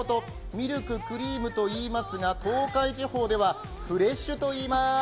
ミルク、クリームといいますが東海地方ではフレッシュといいます。